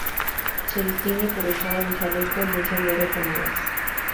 Se distingue por usar un chaleco, y un sombrero con alas.